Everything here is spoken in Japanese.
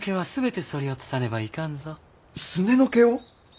すねの毛を！？